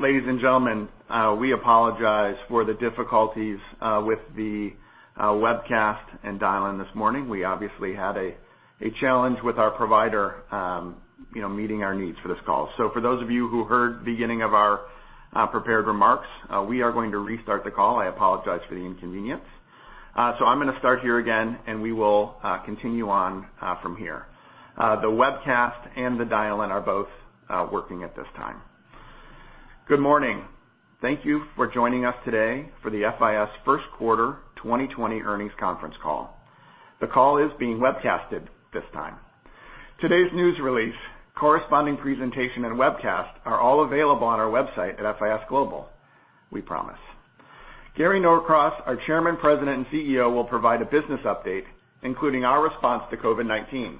Ladies and gentlemen, we apologize for the difficulties with the webcast and dial-in this morning. We obviously had a challenge with our provider meeting our needs for this call. For those of you who heard the beginning of our prepared remarks, we are going to restart the call. I apologize for the inconvenience. I'm going to start here again, and we will continue on from here. The webcast and the dial-in are both working at this time. Good morning. Thank you for joining us today for the FIS first quarter 2020 earnings conference call. The call is being webcasted this time. Today's news release, corresponding presentation, and webcast are all available on our website at FIS Global, we promise. Gary Norcross, our Chairman, President, and CEO, will provide a business update, including our response to COVID-19.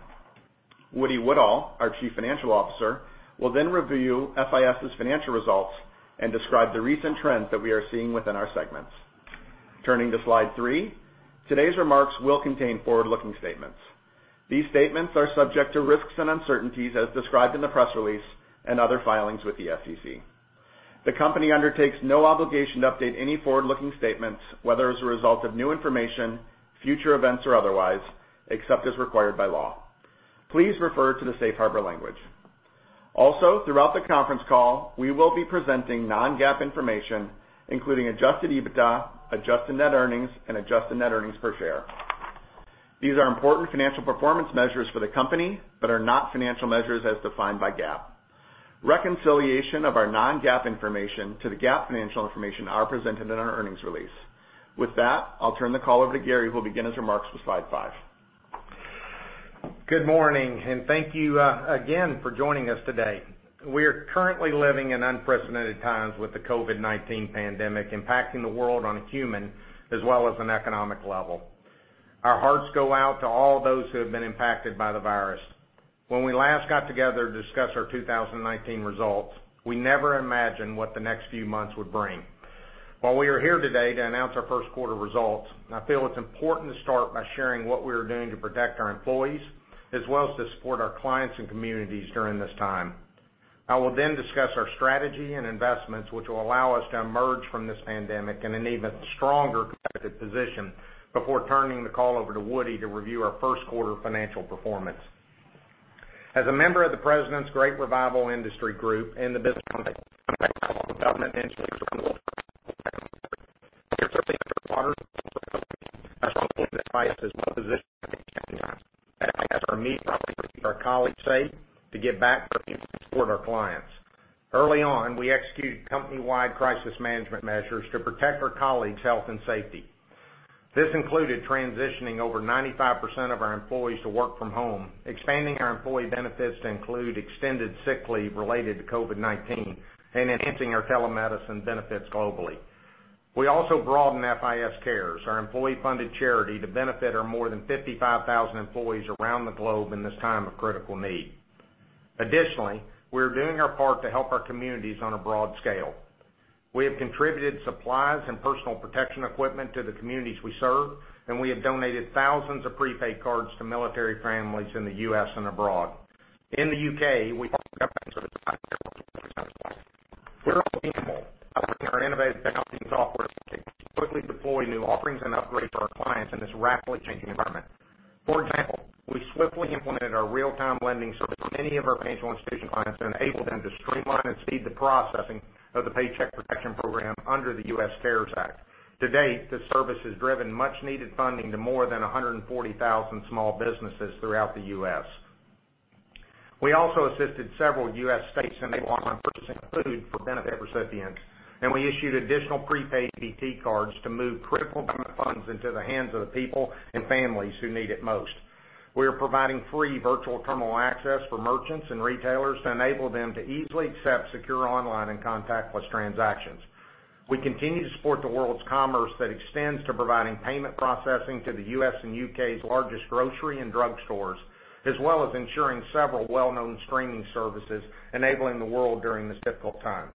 Woody Woodall, our Chief Financial Officer, will then review FIS's financial results and describe the recent trends that we are seeing within our segments. Turning to slide three. Today's remarks will contain forward-looking statements. These statements are subject to risks and uncertainties as described in the press release and other filings with the SEC. The company undertakes no obligation to update any forward-looking statements, whether as a result of new information, future events, or otherwise, except as required by law. Please refer to the safe harbor language. Also, throughout the conference call, we will be presenting non-GAAP information, including adjusted EBITDA, adjusted net earnings, and adjusted net earnings per share. These are important financial performance measures for the company, but are not financial measures as defined by GAAP. Reconciliation of our non-GAAP information to the GAAP financial information are presented in our earnings release. With that, I'll turn the call over to Gary, who will begin his remarks with slide five. Good morning. Thank you again for joining us today. We are currently living in unprecedented times with the COVID-19 pandemic impacting the world on a human as well as an economic level. Our hearts go out to all those who have been impacted by the virus. When we last got together to discuss our 2019 results, we never imagined what the next few months would bring. While we are here today to announce our first quarter results, I feel it's important to start by sharing what we are doing to protect our employees, as well as to support our clients and communities during this time. I will then discuss our strategy and investments, which will allow us to emerge from this pandemic in an even stronger competitive position before turning the call over to Woody to review our first quarter financial performance. As a member of the President's Great Revival Industry Group and the business government and that FIS is well-positioned FIS are meeting our colleagues' safety to give back to our clients. Early on, we executed company-wide crisis management measures to protect our colleagues' health and safety. This included transitioning over 95% of our employees to work from home, expanding our employee benefits to include extended sick leave related to COVID-19, and enhancing our telemedicine benefits globally. We also broadened FIS Cares, our employee-funded charity, to benefit our more than 55,000 employees around the globe in this time of critical need. Additionally, we're doing our part to help our communities on a broad scale. We have contributed supplies and personal protection equipment to the communities we serve, and we have donated thousands of prepaid cards to military families in the U.S. and abroad. In the U.K., we innovate technology and software to quickly deploy new offerings and upgrades for our clients in this rapidly changing environment. For example, we swiftly implemented our real-time lending service for many of our financial institution clients to enable them to streamline and speed the processing of the Paycheck Protection Program under the U.S. CARES Act. To date, this service has driven much-needed funding to more than 140,000 small businesses throughout the U.S. We also assisted several U.S. states enable online purchasing of food for benefit recipients, and we issued additional prepaid EBT cards to move critical government funds into the hands of the people and families who need it most. We are providing free virtual terminal access for merchants and retailers to enable them to easily accept secure online and contactless transactions. We continue to support the world's commerce that extends to providing payment processing to the U.S. and U.K.'s largest grocery and drugstores, as well as ensuring several well-known screening services enabling the world during this difficult time.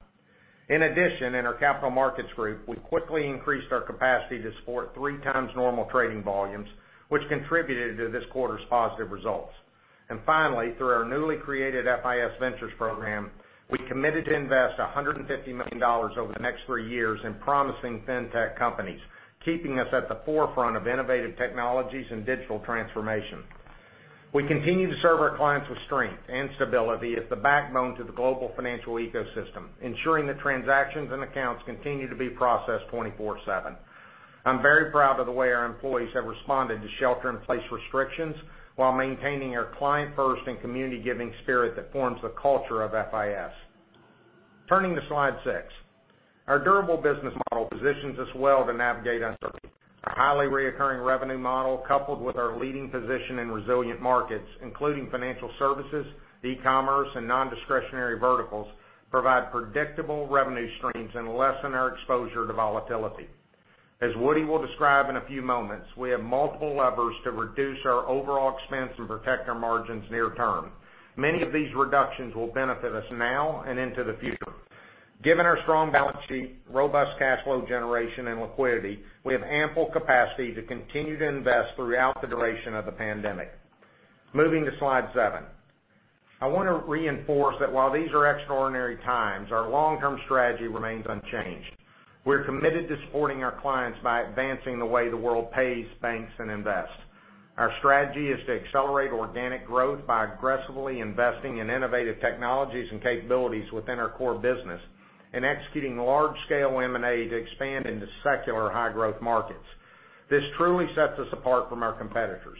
In addition, in our capital markets group, we quickly increased our capacity to support three times normal trading volumes, which contributed to this quarter's positive results. Finally, through our newly created FIS Ventures program, we committed to invest $150 million over the next three years in promising fintech companies, keeping us at the forefront of innovative technologies and digital transformation. We continue to serve our clients with strength and stability as the backbone to the global financial ecosystem, ensuring that transactions and accounts continue to be processed 24/7. I'm very proud of the way our employees have responded to shelter-in-place restrictions while maintaining our client-first and community-giving spirit that forms the culture of FIS. Turning to slide six. Our durable business model positions us well to navigate uncertainty. Our highly recurring revenue model, coupled with our leading position in resilient markets, including financial services, e-commerce, and non-discretionary verticals, provide predictable revenue streams and lessen our exposure to volatility. As Woody will describe in a few moments, we have multiple levers to reduce our overall expense and protect our margins near term. Many of these reductions will benefit us now and into the future. Given our strong balance sheet, robust cash flow generation, and liquidity, we have ample capacity to continue to invest throughout the duration of the pandemic. Moving to slide seven. I want to reinforce that while these are extraordinary times, our long-term strategy remains unchanged. We're committed to supporting our clients by advancing the way the world pays, banks, and invests. Our strategy is to accelerate organic growth by aggressively investing in innovative technologies and capabilities within our core business, and executing large-scale M&A to expand into secular high-growth markets. This truly sets us apart from our competitors.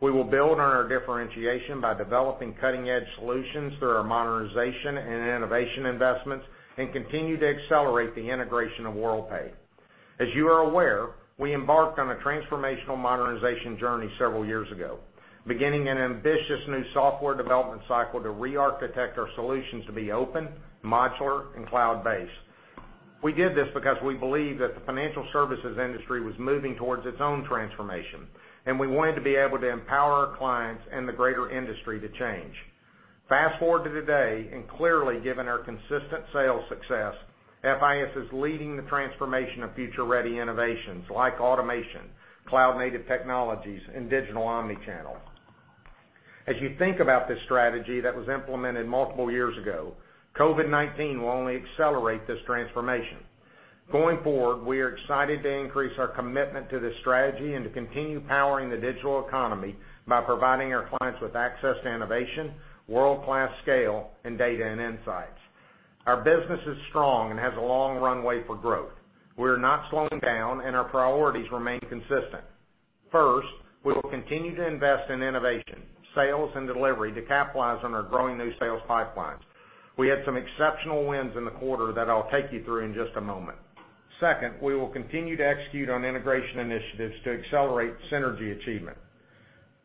We will build on our differentiation by developing cutting-edge solutions through our modernization and innovation investments and continue to accelerate the integration of Worldpay. As you are aware, we embarked on a transformational modernization journey several years ago, beginning an ambitious new software development cycle to re-architect our solutions to be open, modular, and cloud-based. We did this because we believed that the financial services industry was moving towards its own transformation, and we wanted to be able to empower our clients and the greater industry to change. Fast-forward to today, and clearly, given our consistent sales success, FIS is leading the transformation of future-ready innovations like automation, cloud-native technologies, and digital omni-channel. As you think about this strategy that was implemented multiple years ago, COVID-19 will only accelerate this transformation. Going forward, we are excited to increase our commitment to this strategy and to continue powering the digital economy by providing our clients with access to innovation, world-class scale, and data and insights. Our business is strong and has a long runway for growth. We are not slowing down, and our priorities remain consistent. First, we will continue to invest in innovation, sales, and delivery to capitalize on our growing new sales pipelines. We had some exceptional wins in the quarter that I'll take you through in just a moment. Second, we will continue to execute on integration initiatives to accelerate synergy achievement.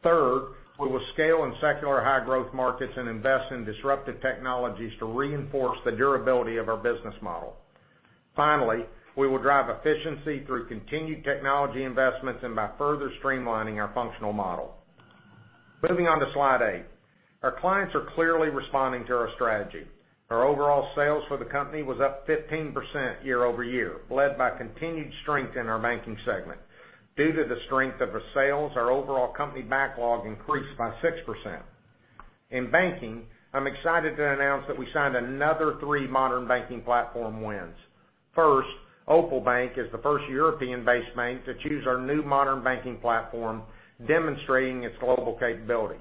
Third, we will scale in secular high-growth markets and invest in disruptive technologies to reinforce the durability of our business model. Finally, we will drive efficiency through continued technology investments and by further streamlining our functional model. Moving on to slide eight. Our clients are clearly responding to our strategy. Our overall sales for the company was up 15% year-over-year, led by continued strength in our banking segment. Due to the strength of our sales, our overall company backlog increased by 6%. In banking, I'm excited to announce that we signed another three Modern Banking Platform wins. First, Opel Bank is the first European-based bank to choose our new Modern Banking Platform, demonstrating its global capability.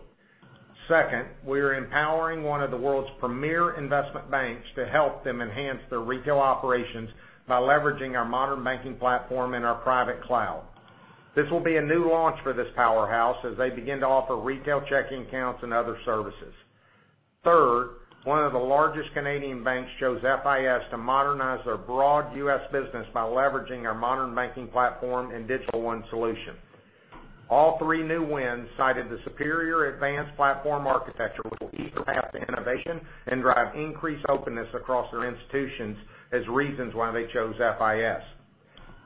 Second, we are empowering one of the world's premier investment banks to help them enhance their retail operations by leveraging our Modern Banking Platform in our private cloud. This will be a new launch for this powerhouse as they begin to offer retail checking accounts and other services. Third, one of the largest Canadian banks chose FIS to modernize their broad U.S. business by leveraging our Modern Banking Platform and Digital One solution. All three new wins cited the superior advanced platform architecture, which will ease the path to innovation and drive increased openness across their institutions as reasons why they chose FIS.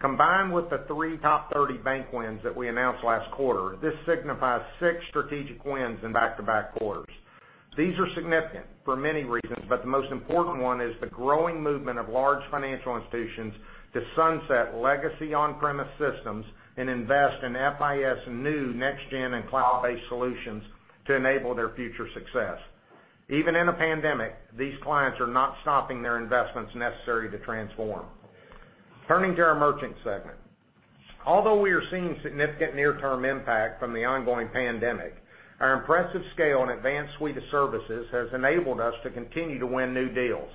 Combined with the three top 30 bank wins that we announced last quarter, this signifies six strategic wins in back-to-back quarters. These are significant for many reasons, but the most important one is the growing movement of large financial institutions to sunset legacy on-premise systems and invest in FIS new next-gen and cloud-based solutions to enable their future success. Even in a pandemic, these clients are not stopping their investments necessary to transform. Turning to our merchant segment. Although we are seeing significant near-term impact from the ongoing pandemic, our impressive scale and advanced suite of services has enabled us to continue to win new deals.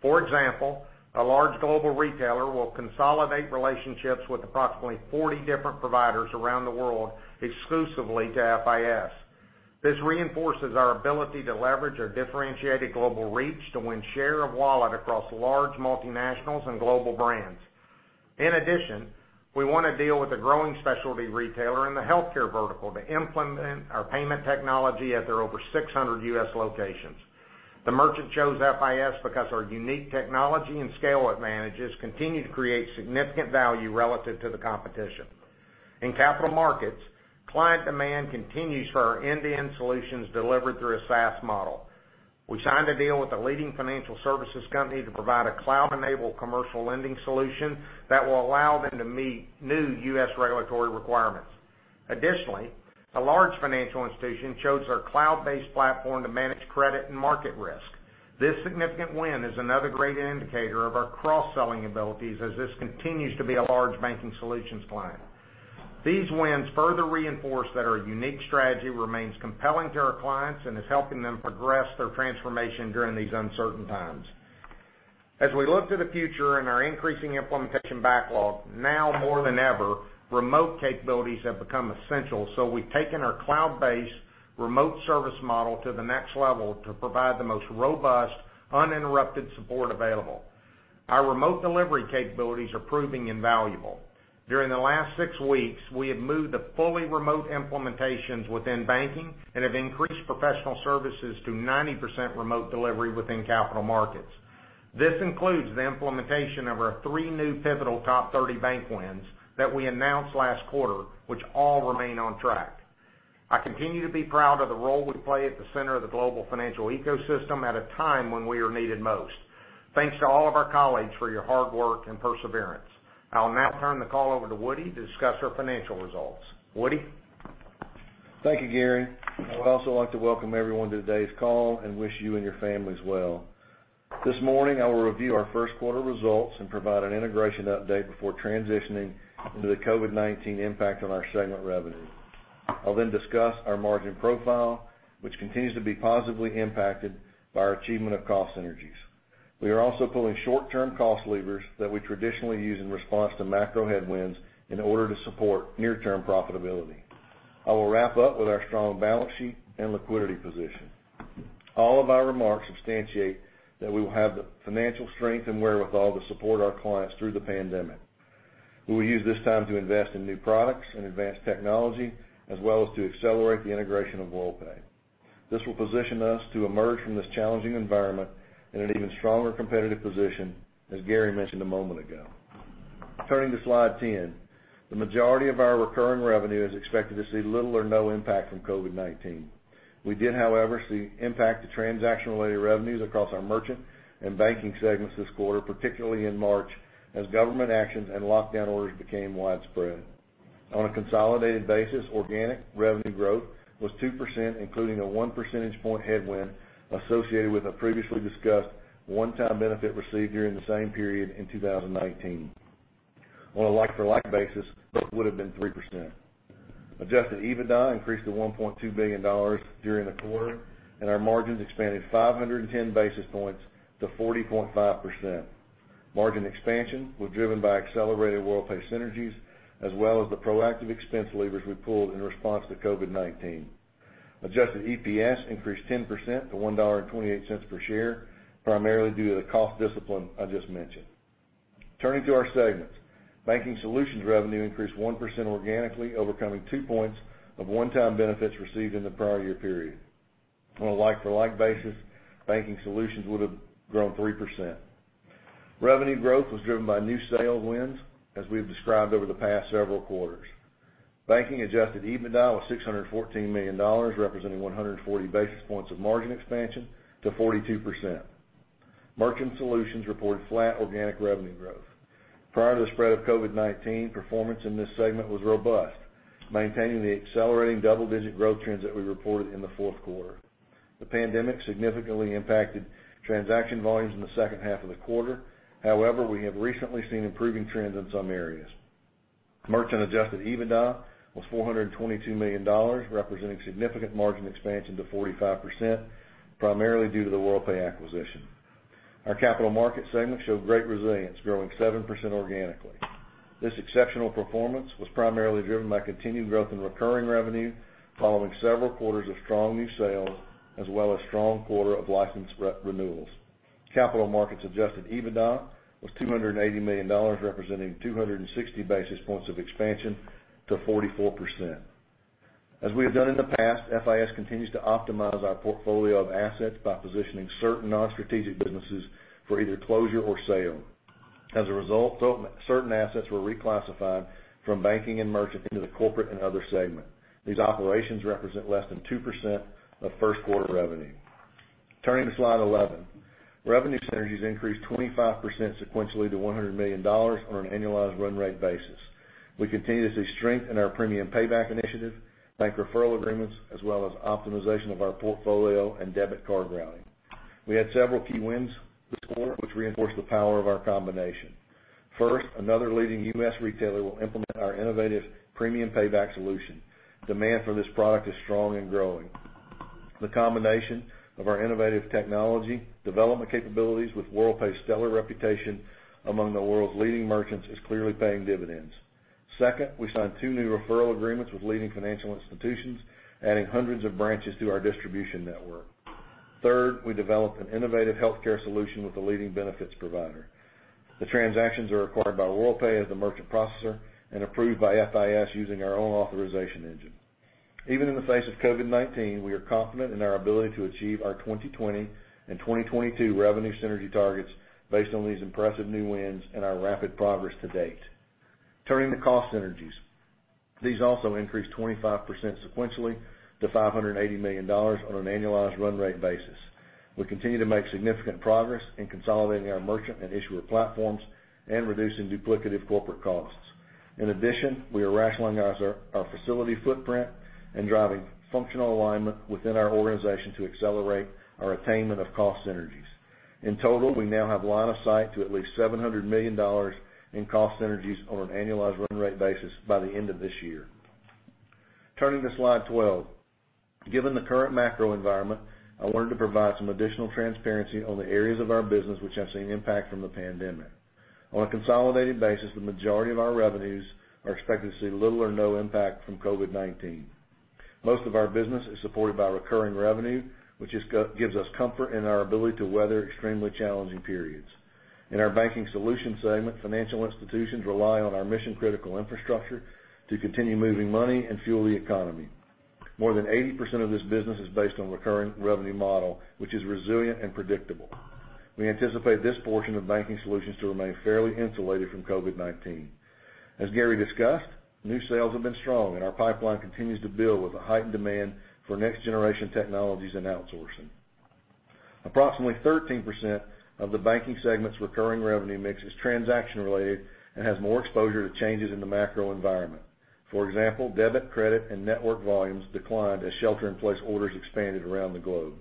For example, a large global retailer will consolidate relationships with approximately 40 different providers around the world exclusively to FIS. This reinforces our ability to leverage our differentiated global reach to win share of wallet across large multinationals and global brands. In addition, we won a deal with a growing specialty retailer in the healthcare vertical to implement our payment technology at their over 600 U.S. locations. The merchant chose FIS because our unique technology and scale advantages continue to create significant value relative to the competition. In capital markets, client demand continues for our end-to-end solutions delivered through a SaaS model. We signed a deal with a leading financial services company to provide a cloud-enabled commercial lending solution that will allow them to meet new U.S. regulatory requirements. A large financial institution chose our cloud-based platform to manage credit and market risk. This significant win is another great indicator of our cross-selling abilities as this continues to be a large Banking Solutions client. These wins further reinforce that our unique strategy remains compelling to our clients and is helping them progress their transformation during these uncertain times. As we look to the future and our increasing implementation backlog, now more than ever, remote capabilities have become essential, so we've taken our cloud-based remote service model to the next level to provide the most robust, uninterrupted support available. Our remote delivery capabilities are proving invaluable. During the last six weeks, we have moved to fully remote implementations within banking and have increased professional services to 90% remote delivery within capital markets. This includes the implementation of our three new pivotal top 30 bank wins that we announced last quarter, which all remain on track. I continue to be proud of the role we play at the center of the global financial ecosystem at a time when we are needed most. Thanks to all of our colleagues for your hard work and perseverance. I will now turn the call over to Woody to discuss our financial results. Woody? Thank you, Gary. I would also like to welcome everyone to today's call and wish you and your families well. This morning, I will review our first quarter results and provide an integration update before transitioning into the COVID-19 impact on our segment revenue. I'll then discuss our margin profile, which continues to be positively impacted by our achievement of cost synergies. We are also pulling short-term cost levers that we traditionally use in response to macro headwinds in order to support near-term profitability. I will wrap up with our strong balance sheet and liquidity position. All of our remarks substantiate that we will have the financial strength and wherewithal to support our clients through the pandemic. We will use this time to invest in new products and advanced technology, as well as to accelerate the integration of Worldpay. This will position us to emerge from this challenging environment in an even stronger competitive position, as Gary mentioned a moment ago. Turning to slide 10. The majority of our recurring revenue is expected to see little or no impact from COVID-19. We did, however, see impact to transaction-related revenues across our merchant and banking segments this quarter, particularly in March, as government actions and lockdown orders became widespread. On a consolidated basis, organic revenue growth was 2%, including a 1 percentage point headwind associated with a previously discussed one-time benefit received during the same period in 2019. On a like-for-like basis, it would've been 3%. Adjusted EBITDA increased to $1.2 billion during the quarter, and our margins expanded 510 basis points to 40.5%. Margin expansion was driven by accelerated Worldpay synergies, as well as the proactive expense levers we pulled in response to COVID-19. Adjusted EPS increased 10% to $1.28 per share, primarily due to the cost discipline I just mentioned. Turning to our segments. Banking Solutions revenue increased 1% organically, overcoming 2 points of one-time benefits received in the prior year period. On a like-for-like basis, Banking Solutions would've grown 3%. Revenue growth was driven by new sale wins, as we've described over the past several quarters. Banking adjusted EBITDA was $614 million, representing 140 basis points of margin expansion to 42%. Merchant Solutions reported flat organic revenue growth. Prior to the spread of COVID-19, performance in this segment was robust, maintaining the accelerating double-digit growth trends that we reported in the fourth quarter. The pandemic significantly impacted transaction volumes in the second half of the quarter. We have recently seen improving trends in some areas. Merchant adjusted EBITDA was $422 million, representing significant margin expansion to 45%, primarily due to the Worldpay acquisition. Our Capital Markets segment showed great resilience, growing 7% organically. This exceptional performance was primarily driven by continued growth in recurring revenue following several quarters of strong new sales, as well as strong quarter of license renewals. Capital Markets adjusted EBITDA was $280 million, representing 260 basis points of expansion to 44%. As we have done in the past, FIS continues to optimize our portfolio of assets by positioning certain non-strategic businesses for either closure or sale. As a result, certain assets were reclassified from banking and merchant into the corporate and other segment. These operations represent less than 2% of first quarter revenue. Turning to slide 11. Revenue synergies increased 25% sequentially to $100 million on an annualized run rate basis. We continue to see strength in our Premium Payback initiative, bank referral agreements, as well as optimization of our portfolio and debit card routing. We had several key wins this quarter, which reinforced the power of our combination. First, another leading U.S. retailer will implement our innovative Premium Payback solution. Demand for this product is strong and growing. The combination of our innovative technology development capabilities with Worldpay's stellar reputation among the world's leading merchants is clearly paying dividends. Second, we signed two new referral agreements with leading financial institutions, adding hundreds of branches to our distribution network. Third, we developed an innovative healthcare solution with a leading benefits provider. The transactions are acquired by Worldpay as the merchant processor and approved by FIS using our own authorization engine. Even in the face of COVID-19, we are confident in our ability to achieve our 2020 and 2022 revenue synergy targets based on these impressive new wins and our rapid progress to date. Turning to cost synergies. These also increased 25% sequentially to $580 million on an annualized run rate basis. We continue to make significant progress in consolidating our merchant and issuer platforms and reducing duplicative corporate costs. In addition, we are rationalizing our facility footprint and driving functional alignment within our organization to accelerate our attainment of cost synergies. In total, we now have line of sight to at least $700 million in cost synergies on an annualized run rate basis by the end of this year. Turning to slide 12. Given the current macro environment, I wanted to provide some additional transparency on the areas of our business which have seen impact from the pandemic. On a consolidated basis, the majority of our revenues are expected to see little or no impact from COVID-19. Most of our business is supported by recurring revenue, which gives us comfort in our ability to weather extremely challenging periods. In our Banking Solutions segment, financial institutions rely on our mission-critical infrastructure to continue moving money and fuel the economy. More than 80% of this business is based on recurring revenue model, which is resilient and predictable. We anticipate this portion of Banking Solutions to remain fairly insulated from COVID-19. As Gary discussed, new sales have been strong, and our pipeline continues to build with a heightened demand for next-generation technologies and outsourcing. Approximately 13% of the banking segment's recurring revenue mix is transaction-related and has more exposure to changes in the macro environment. For example, debit, credit, and network volumes declined as shelter-in-place orders expanded around the globe.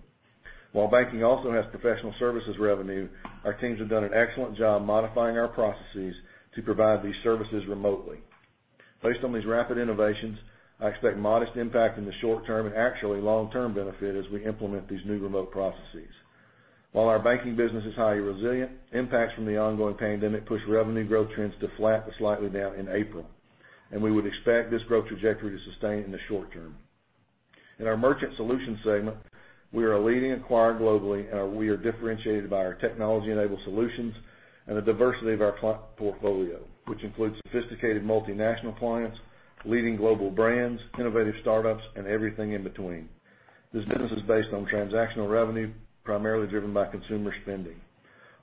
While banking also has professional services revenue, our teams have done an excellent job modifying our processes to provide these services remotely. Based on these rapid innovations, I expect modest impact in the short term and actually long-term benefit as we implement these new remote processes. While our banking business is highly resilient, impacts from the ongoing pandemic push revenue growth trends to flat or slightly down in April. We would expect this growth trajectory to sustain in the short term. In our Merchant Solutions segment, we are a leading acquirer globally. We are differentiated by our technology-enabled solutions and the diversity of our client portfolio, which includes sophisticated multinational clients, leading global brands, innovative startups, and everything in between. This business is based on transactional revenue, primarily driven by consumer spending.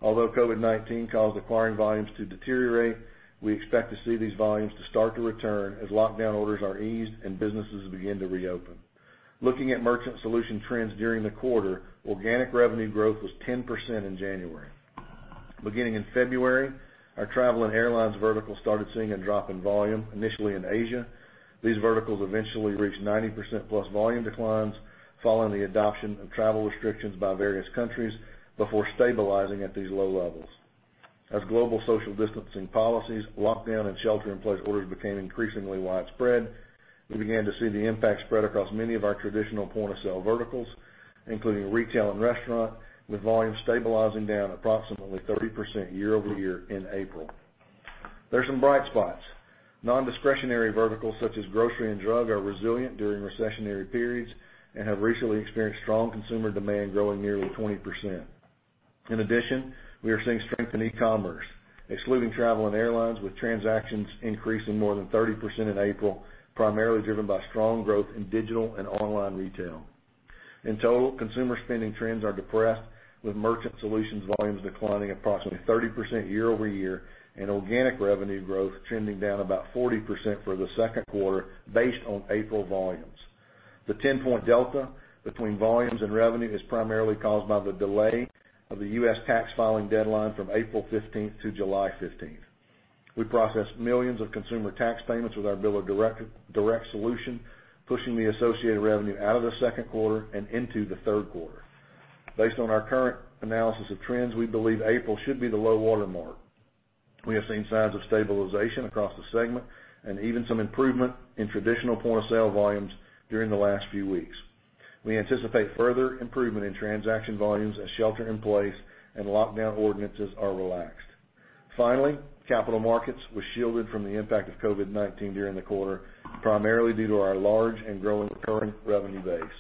Although COVID-19 caused acquiring volumes to deteriorate, we expect to see these volumes to start to return as lockdown orders are eased and businesses begin to reopen. Looking at merchant solution trends during the quarter, organic revenue growth was 10% in January. Beginning in February, our travel and airlines vertical started seeing a drop in volume, initially in Asia. These verticals eventually reached 90% plus volume declines following the adoption of travel restrictions by various countries before stabilizing at these low levels. As global social distancing policies, lockdown, and shelter-in-place orders became increasingly widespread, we began to see the impact spread across many of our traditional point-of-sale verticals, including retail and restaurant, with volumes stabilizing down approximately 30% year-over-year in April. There are some bright spots. Nondiscretionary verticals such as grocery and drug are resilient during recessionary periods and have recently experienced strong consumer demand growing nearly 20%. In addition, we are seeing strength in e-commerce, excluding travel and airlines, with transactions increasing more than 30% in April, primarily driven by strong growth in digital and online retail. In total, consumer spending trends are depressed, with merchant solutions volumes declining approximately 30% year-over-year and organic revenue growth trending down about 40% for the second quarter based on April volumes. The 10-point delta between volumes and revenue is primarily caused by the delay of the U.S. tax filing deadline from April 15th to July 15th. We processed millions of consumer tax payments with our Biller Direct solution, pushing the associated revenue out of the second quarter and into the third quarter. Based on our current analysis of trends, we believe April should be the low water mark. We have seen signs of stabilization across the segment and even some improvement in traditional point-of-sale volumes during the last few weeks. We anticipate further improvement in transaction volumes as shelter-in-place and lockdown ordinances are relaxed. Finally, capital markets was shielded from the impact of COVID-19 during the quarter, primarily due to our large and growing recurring revenue base.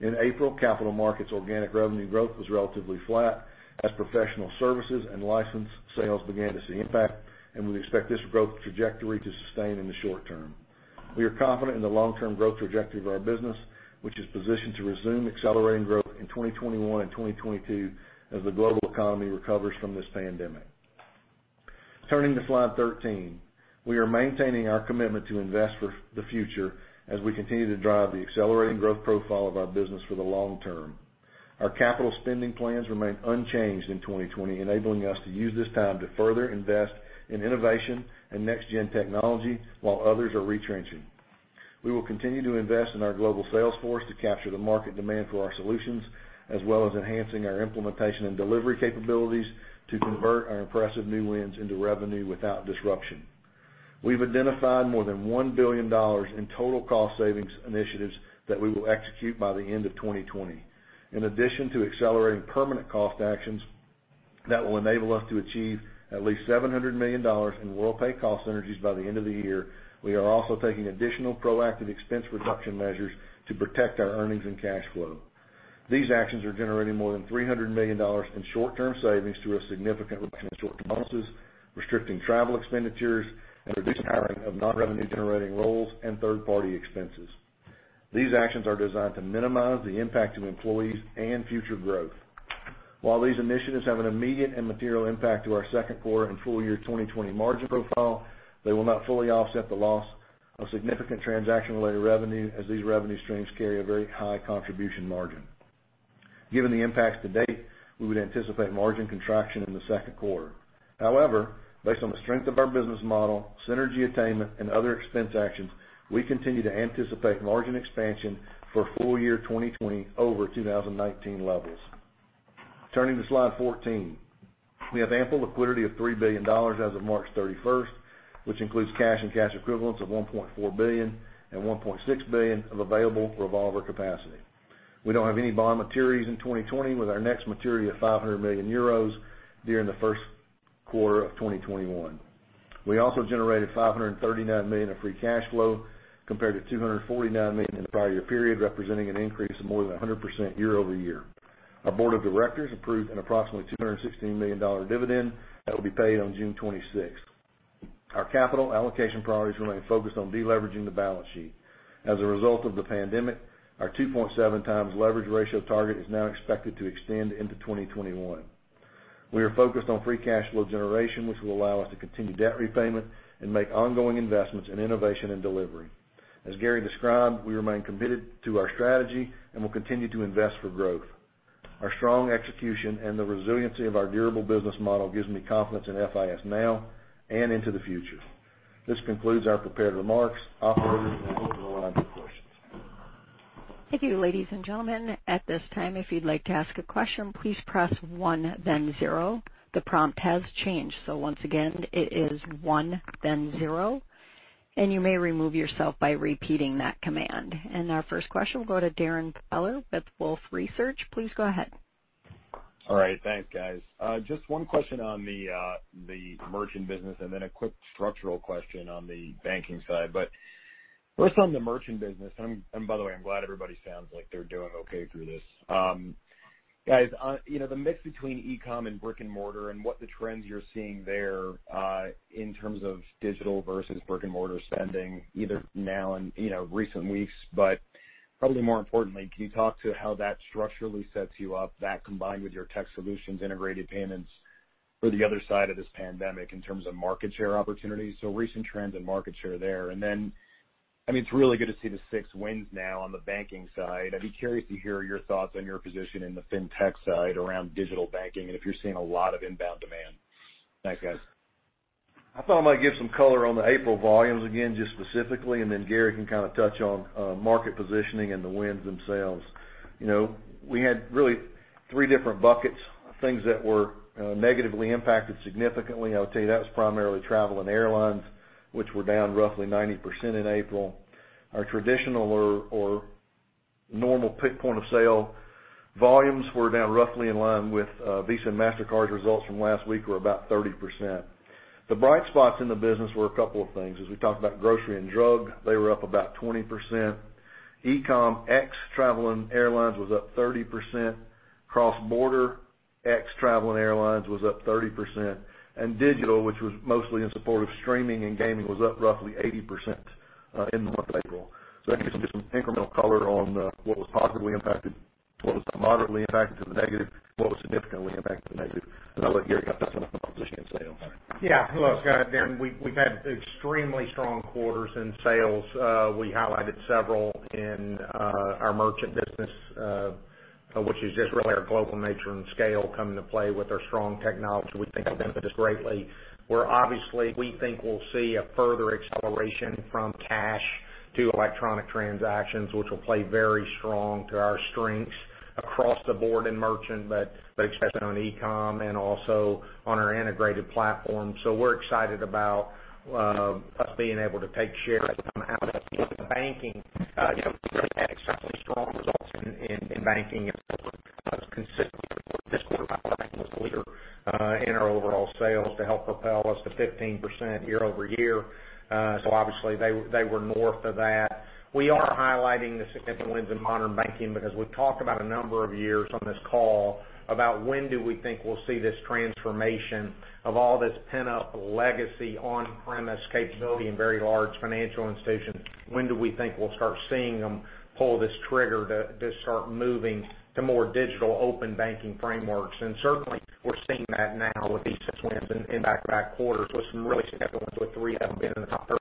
In April, capital markets organic revenue growth was relatively flat as professional services and license sales began to see impact, and we expect this growth trajectory to sustain in the short term. We are confident in the long-term growth trajectory of our business, which is positioned to resume accelerating growth in 2021 and 2022 as the global economy recovers from this pandemic. Turning to slide 13. We are maintaining our commitment to invest for the future as we continue to drive the accelerating growth profile of our business for the long term. Our capital spending plans remain unchanged in 2020, enabling us to use this time to further invest in innovation and next-gen technology while others are retrenching. We will continue to invest in our global sales force to capture the market demand for our solutions, as well as enhancing our implementation and delivery capabilities to convert our impressive new wins into revenue without disruption. We've identified more than $1 billion in total cost savings initiatives that we will execute by the end of 2020. In addition to accelerating permanent cost actions that will enable us to achieve at least $700 million in Worldpay cost synergies by the end of the year, we are also taking additional proactive expense reduction measures to protect our earnings and cash flow. These actions are generating more than $300 million in short-term savings through a significant reduction in short-term bonuses, restricting travel expenditures, and reducing hiring of non-revenue-generating roles and third-party expenses. These actions are designed to minimize the impact to employees and future growth. While these initiatives have an immediate and material impact to our second quarter and full year 2020 margin profile, they will not fully offset the loss of significant transaction-related revenue as these revenue streams carry a very high contribution margin. Given the impacts to date, we would anticipate margin contraction in the second quarter. Based on the strength of our business model, synergy attainment, and other expense actions, we continue to anticipate margin expansion for full year 2020 over 2019 levels. Turning to slide 14. We have ample liquidity of $3 billion as of March 31st, which includes cash and cash equivalents of $1.4 billion and $1.6 billion of available revolver capacity. We don't have any bond maturities in 2020 with our next maturity of 500 million euros during the first quarter of 2021. We also generated $539 million of free cash flow compared to $249 million in the prior year period, representing an increase of more than 100% year-over-year. Our board of directors approved an approximately $216 million dividend that will be paid on June 26th. Our capital allocation priorities remain focused on de-leveraging the balance sheet. As a result of the pandemic, our 2.7x leverage ratio target is now expected to extend into 2021. We are focused on free cash flow generation, which will allow us to continue debt repayment and make ongoing investments in innovation and delivery. As Gary described, we remain committed to our strategy and will continue to invest for growth. Our strong execution and the resiliency of our durable business model gives me confidence in FIS now and into the future. This concludes our prepared remarks. Operators, we'll open the line for questions. Thank you. Ladies and gentlemen, at this time, if you'd like to ask a question, please press one then zero. The prompt has changed. Once again, it is one then zero, and you may remove yourself by repeating that command. Our first question will go to Darrin Peller with Wolfe Research. Please go ahead. All right. Thanks, guys. Just one question on the merchant business and then a quick structural question on the banking side. First on the merchant business, and by the way, I'm glad everybody sounds like they're doing okay through this. Guys, the mix between e-com and brick and mortar and what the trends you're seeing there in terms of digital versus brick and mortar spending, either now and recent weeks, but probably more importantly, can you talk to how that structurally sets you up, that combined with your tech solutions, integrated payments for the other side of this pandemic in terms of market share opportunities, so recent trends in market share there? It's really good to see the six wins now on the banking side. I'd be curious to hear your thoughts on your position in the fintech side around digital banking and if you're seeing a lot of inbound demand. Thanks, guys. I thought I might give some color on the April volumes again, just specifically, and then Gary can touch on market positioning and the wins themselves. We had really three different buckets of things that were negatively impacted significantly. I would say that was primarily travel and airlines, which were down roughly 90% in April. Our traditional or normal point-of-sale volumes were down roughly in line with Visa and Mastercard's results from last week were about 30%. The bright spots in the business were a couple of things. As we talked about grocery and drug, they were up about 20%. E-com ex travel and airlines was up 30%, cross-border ex travel and airlines was up 30%, and digital, which was mostly in support of streaming and gaming, was up roughly 80% in the month of April. That gives you just some incremental color on what was positively impacted, what was moderately impacted to the negative, and what was significantly impacted to the negative. I'll let Gary talk about positioning and sales. Yeah. Hello, guys. Darrin, we've had extremely strong quarters in sales. We highlighted several in our merchant business, which is just really our global nature and scale coming to play with our strong technology, which we think will benefit us greatly. Where obviously we think we'll see a further acceleration from cash to electronic transactions, which will play very strong to our strengths across the board in merchant, but especially on e-com and also on our integrated platform. We're excited about us being able to take share as we come out. In banking, we've really had exceptionally strong results in banking as well, as consistently this quarter, by the way, banking was the leader in our overall sales to help propel us to 15% year-over-year. Obviously they were north of that. We are highlighting the significant wins in Modern Banking because we've talked about a number of years on this call about when do we think we'll see this transformation of all this pent-up legacy on-premise capability in very large financial institutions. When do we think we'll start seeing them pull this trigger to start moving to more digital open banking frameworks? Certainly, we're seeing that now with these six wins in back-to-back quarters with some really significant wins, with three of them being in the top 30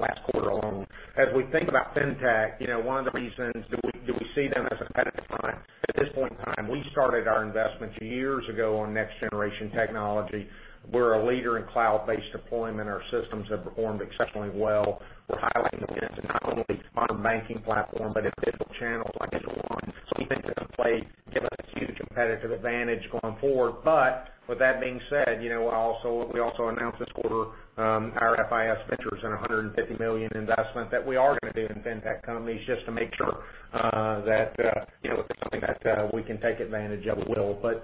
last quarter alone. As we think about fintech, one of the reasons that we see them as a head of time, at this point in time, we started our investments years ago on next-generation technology. We're a leader in cloud-based deployment. Our systems have performed exceptionally well. We're highlighting this in not only Modern Banking Platform, but in digital channels like X1. We think this will play, give us a huge competitive advantage going forward. With that being said, we also announced this quarter our FIS Ventures and $150 million investment that we are going to do in fintech companies just to make sure that if there's something that we can take advantage of, we will.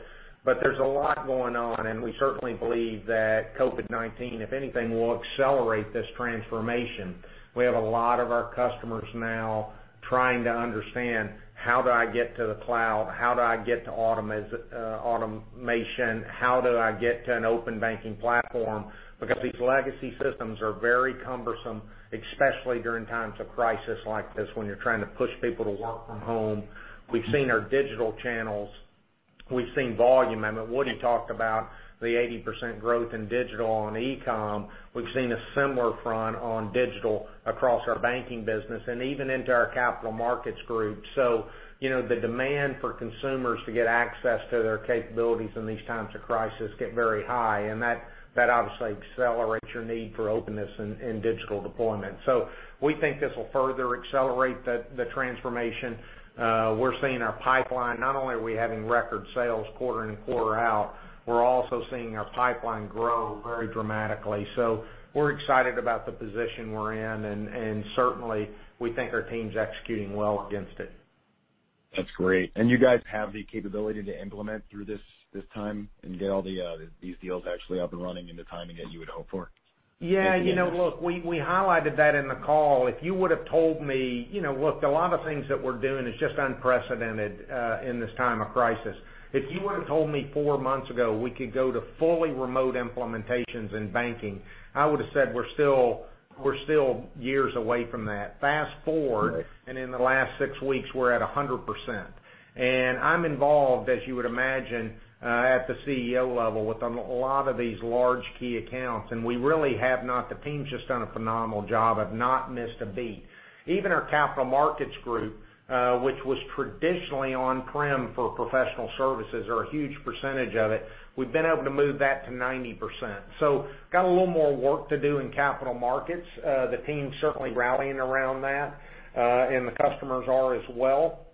There's a lot going on, and we certainly believe that COVID-19, if anything, will accelerate this transformation. We have a lot of our customers now trying to understand, how do I get to the cloud? How do I get to automation? How do I get to an open banking platform? These legacy systems are very cumbersome, especially during times of crisis like this when you're trying to push people to work from home. We've seen our digital channels, we've seen volume. I mean, Woody talked about the 80% growth in digital and e-com. We've seen a similar front on digital across our banking business and even into our capital markets group. The demand for consumers to get access to their capabilities in these times of crisis get very high, and that obviously accelerates your need for openness in digital deployment. We think this will further accelerate the transformation. We're seeing our pipeline, not only are we having record sales quarter in and quarter out, we're also seeing our pipeline grow very dramatically. We're excited about the position we're in, and certainly, we think our team's executing well against it. That's great. You guys have the capability to implement through this time and get all these deals actually up and running in the timing that you would hope for? Yeah. Look, we highlighted that in the call. Look, a lot of things that we're doing is just unprecedented, in this time of crisis. If you would've told me four months ago we could go to fully remote implementations in banking, I would've said we're still years away from that. Right In the last six weeks, we're at 100%. I'm involved, as you would imagine, at the CEO level with a lot of these large key accounts. The team's just done a phenomenal job of not missed a beat. Even our capital markets group, which was traditionally on-prem for professional services or a huge percentage of it, we've been able to move that to 90%. Got a little more work to do in capital markets. The team's certainly rallying around that, and the customers are as well.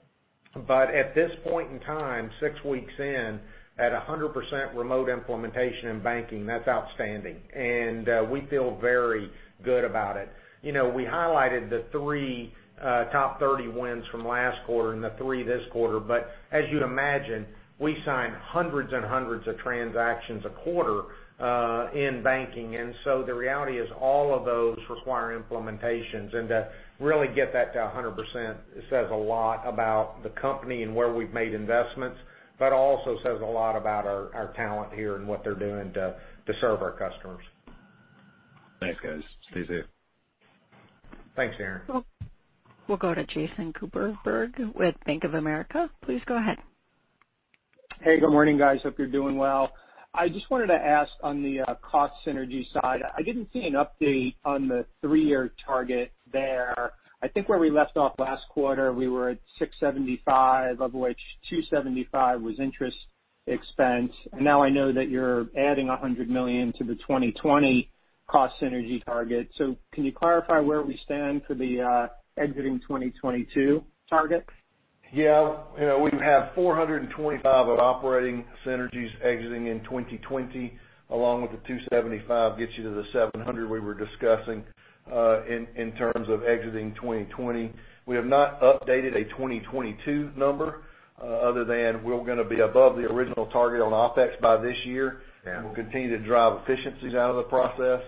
At this point in time, six weeks in, at 100% remote implementation in banking, that's outstanding. We feel very good about it. We highlighted the three top 30 wins from last quarter and the three this quarter. As you'd imagine, we sign hundreds and hundreds of transactions a quarter, in banking. The reality is all of those require implementations, and to really get that to 100% says a lot about the company and where we've made investments, but also says a lot about our talent here and what they're doing to serve our customers. Thanks, guys. Stay safe. Thanks, Darrin. We'll go to Jason Kupferberg with Bank of America. Please go ahead. Hey, good morning, guys. Hope you're doing well. I just wanted to ask on the cost synergy side, I didn't see an update on the three-year target there. I think where we left off last quarter, we were at $675, of which $275 was interest expense. Now I know that you're adding $100 million to the 2020 cost synergy target. Can you clarify where we stand for the exiting 2022 targets? Yeah. We have 425 of operating synergies exiting in 2020, along with the 275 gets you to the 700 we were discussing, in terms of exiting 2020. We have not updated a 2022 number, other than we're going to be above the original target on OpEx by this year. Yeah. We'll continue to drive efficiencies out of the process.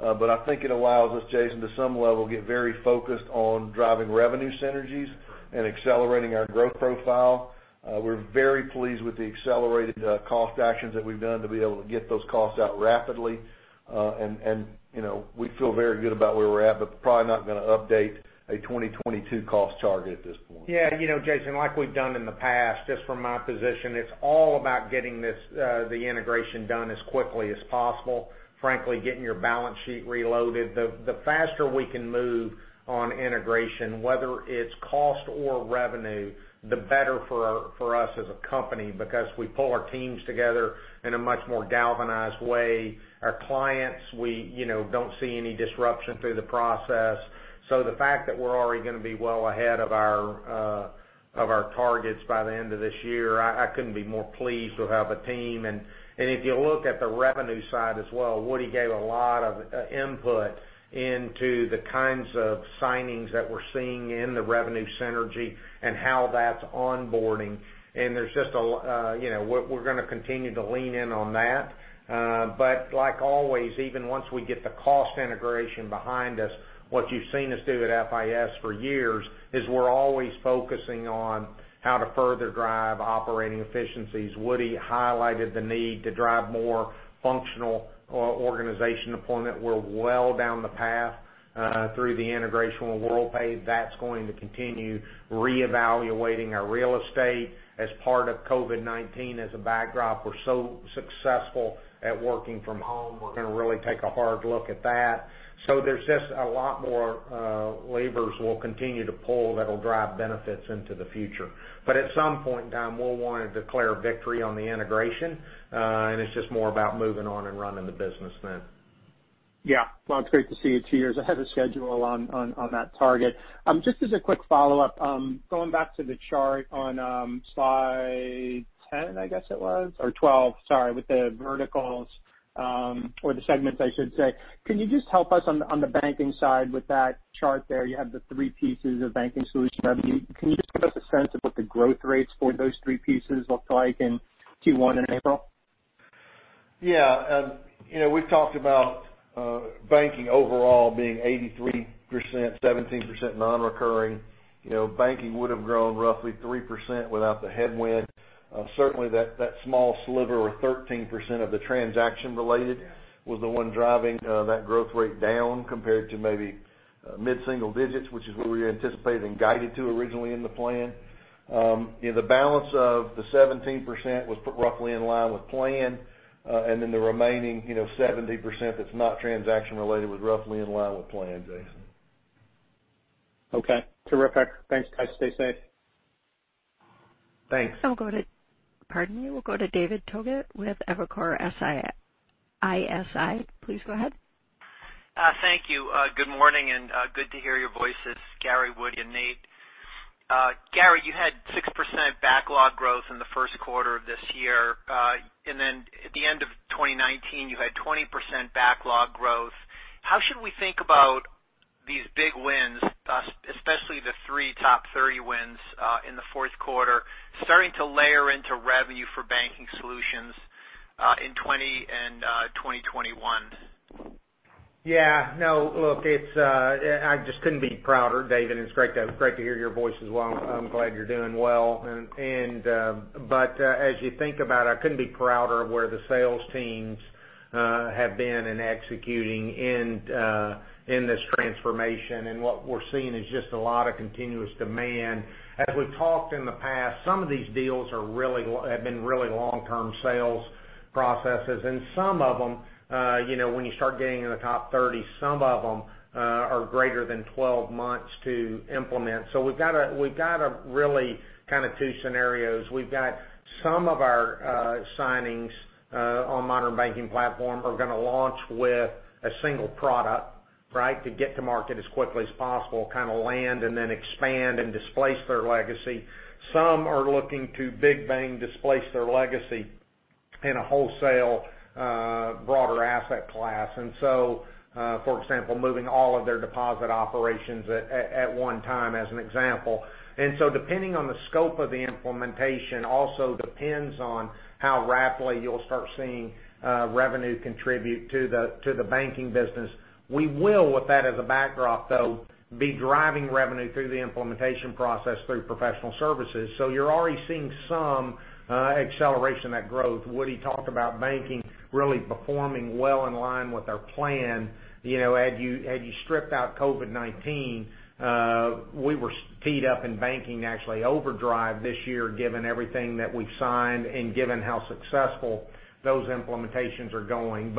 I think it allows us, Jason, to some level, get very focused on driving revenue synergies and accelerating our growth profile. We're very pleased with the accelerated cost actions that we've done to be able to get those costs out rapidly. We feel very good about where we're at, but probably not going to update a 2022 cost target at this point. Yeah. Jason, like we've done in the past, just from my position, it's all about getting the integration done as quickly as possible. Frankly, getting your balance sheet reloaded. The faster we can move on integration, whether it's cost or revenue, the better for us as a company, because we pull our teams together in a much more galvanized way. Our clients, we don't see any disruption through the process. The fact that we're already going to be well ahead of our targets by the end of this year, I couldn't be more pleased to have a team. If you look at the revenue side as well, Woody gave a lot of input into the kinds of signings that we're seeing in the revenue synergy and how that's onboarding. We're going to continue to lean in on that. Like always, even once we get the cost integration behind us, what you've seen us do at FIS for years is we're always focusing on how to further drive operating efficiencies. Woody highlighted the need to drive more functional organization deployment. We're well down the path through the integration with Worldpay. That's going to continue reevaluating our real estate as part of COVID-19 as a backdrop. We're so successful at working from home. We're going to really take a hard look at that. There's just a lot more levers we'll continue to pull that'll drive benefits into the future. At some point in time, we'll want to declare victory on the integration, and it's just more about moving on and running the business then. Yeah. Well, it's great to see you two years ahead of schedule on that target. Just as a quick follow-up, going back to the chart on slide 10, I guess it was, or 12, sorry, with the verticals, or the segments I should say. Can you just help us on the banking side with that chart there, you have the three pieces of banking solution revenue. Can you just give us a sense of what the growth rates for those three pieces look like in Q1 and April? Yeah. We've talked about banking overall being 83%, 17% non-recurring. Banking would've grown roughly 3% without the headwind. Certainly, that small sliver of 13% of the transaction related was the one driving that growth rate down compared to maybe mid-single digits, which is where we anticipated and guided to originally in the plan. The balance of the 17% was roughly in line with plan. The remaining 70% that's not transaction related was roughly in line with plan, Jason. Okay. Terrific. Thanks, guys. Stay safe. Thanks. Pardon me. We'll go to David Togut with Evercore ISI. Please go ahead. Thank you. Good morning, and good to hear your voices, Gary, Woody, and Nate. Gary, you had 6% backlog growth in the first quarter of this year. At the end of 2019, you had 20% backlog growth. How should we think about? These big wins, especially the three top 30 wins in the fourth quarter, starting to layer into revenue for Banking Solutions in 2020 and 2021. Yeah. No, look, I just couldn't be prouder, David, and it's great to hear your voice as well. I'm glad you're doing well. As you think about it, I couldn't be prouder of where the sales teams have been in executing in this transformation. What we're seeing is just a lot of continuous demand. As we've talked in the past, some of these deals have been really long-term sales processes. When you start getting in the top 30, some of them are greater than 12 months to implement. We've got really two scenarios. We've got some of our signings on Modern Banking Platform are going to launch with a single product to get to market as quickly as possible, kind of land and then expand and displace their legacy. Some are looking to big bang displace their legacy in a wholesale, broader asset class. For example, moving all of their deposit operations at one time, as an example. Depending on the scope of the implementation, also depends on how rapidly you'll start seeing revenue contribute to the banking business. We will, with that as a backdrop, though, be driving revenue through the implementation process through professional services. You're already seeing some acceleration of that growth. Woody talked about banking really performing well in line with our plan. Had you stripped out COVID-19, we were teed up in banking actually overdrive this year, given everything that we've signed and given how successful those implementations are going.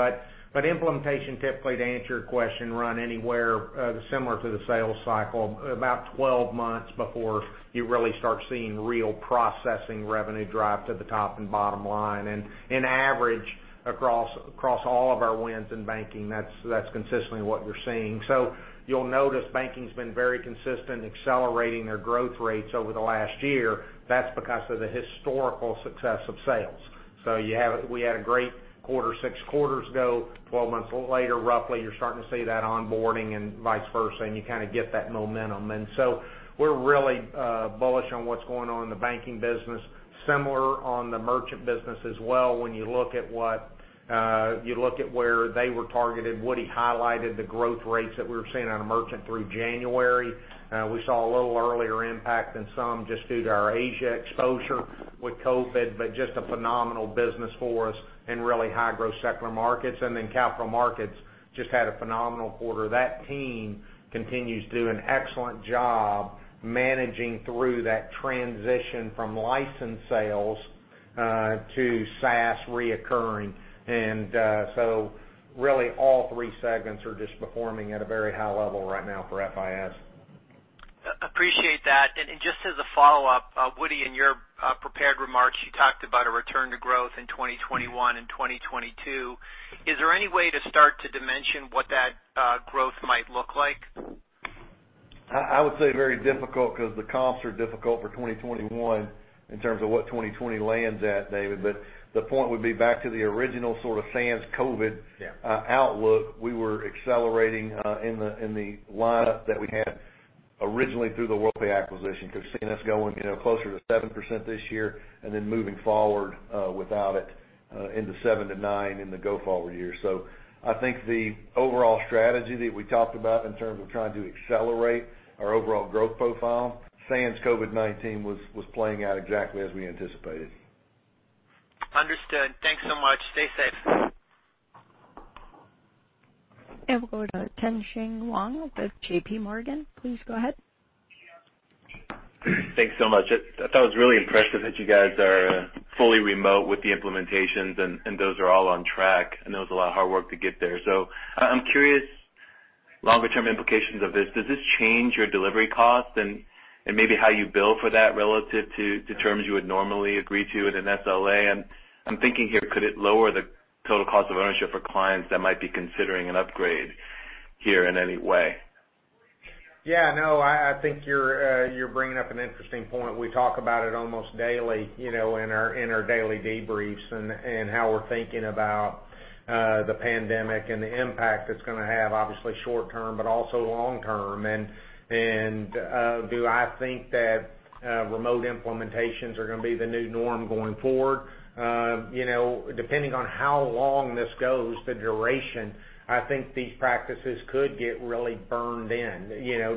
Implementation typically, to answer your question, run anywhere similar to the sales cycle, about 12 months before you really start seeing real processing revenue drive to the top and bottom line. Average across all of our wins in banking, that's consistently what we're seeing. You'll notice banking's been very consistent, accelerating their growth rates over the last year. That's because of the historical success of sales. We had a great quarter six quarters ago. 12 months later, roughly, you're starting to see that onboarding and vice versa, and you kind of get that momentum. We're really bullish on what's going on in the banking business. Similar on the merchant business as well, when you look at where they were targeted. Woody highlighted the growth rates that we were seeing out of merchant through January. We saw a little earlier impact than some just due to our Asia exposure with COVID-19, but just a phenomenal business for us in really high-growth secular markets. Capital markets just had a phenomenal quarter. That team continues to do an excellent job managing through that transition from license sales to SaaS reoccurring. Really all three segments are just performing at a very high level right now for FIS. Appreciate that. Just as a follow-up, Woody, in your prepared remarks, you talked about a return to growth in 2021 and 2022. Is there any way to start to dimension what that growth might look like? I would say very difficult because the comps are difficult for 2021 in terms of what 2020 lands at, David. The point would be back to the original sort of sans-COVID outlook. We were accelerating in the lineup that we had originally through the Worldpay acquisition. Seeing us going closer to 7% this year, and then moving forward without it into 7%-9% in the go-forward years. I think the overall strategy that we talked about in terms of trying to accelerate our overall growth profile, sans COVID-19, was playing out exactly as we anticipated. Understood. Thanks so much. Stay safe. We'll go to Tien-Tsin Huang with JPMorgan. Please go ahead. Thanks so much. I thought it was really impressive that you guys are fully remote with the implementations, and those are all on track. I know it was a lot of hard work to get there. I'm curious, longer term implications of this, does this change your delivery costs and maybe how you bill for that relative to terms you would normally agree to in an SLA? I'm thinking here, could it lower the total cost of ownership for clients that might be considering an upgrade here in any way? Yeah, no, I think you're bringing up an interesting point. We talk about it almost daily in our daily debriefs and how we're thinking about the pandemic and the impact it's going to have, obviously short term, but also long term. Do I think that remote implementations are going to be the new norm going forward? Depending on how long this goes, the duration, I think these practices could get really burned in.